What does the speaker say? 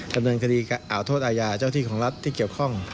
ดำเนินคดีอ่าโทษอาญาเจ้าที่ของรัฐที่เกี่ยวข้อง